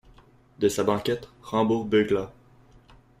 De sa banquette, Rambourg beugla.